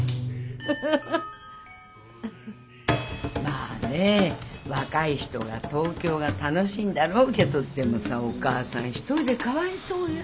まあねぇ若い人は東京が楽しいんだろうけどでもさお母さん一人でかわいそうよあんた。